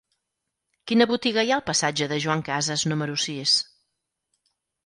Quina botiga hi ha al passatge de Joan Casas número sis?